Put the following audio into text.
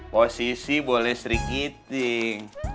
posisi boleh serikiting